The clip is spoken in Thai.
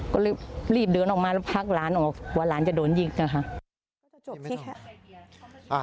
ก็เลยรีบเดินออกมาแล้วพักหลานออกว่าหลานจะโดนยิงนะคะ